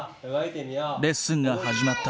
レッスンが始まった。